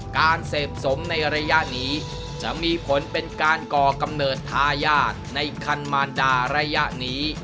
การเสพสมในระยะนี้จะมีผลเป็นการก่อกำเนิดทายาทในคันมารดาระยะนี้